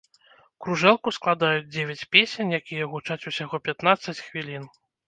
Кружэлку складаюць дзевяць песень, якія гучаць усяго пятнаццаць хвілін.